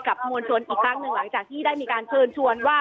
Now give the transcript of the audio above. มวลชนอีกครั้งหนึ่งหลังจากที่ได้มีการเชิญชวนว่า